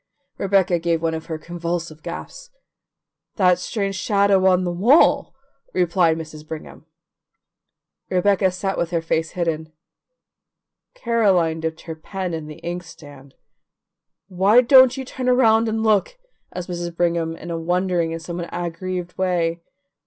Rebecca gave one of her convulsive gasps. "That strange shadow on the wall," replied Mrs. Brigham. Rebecca sat with her face hidden: Caroline dipped her pen in the inkstand. "Why don't you turn around and look?" asked Mrs. Brigham in a wondering and somewhat aggrieved way.